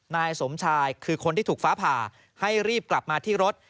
นายสมชายคือคนที่ถูกฟ้าผ่าให้รีบกลับมาที่รถ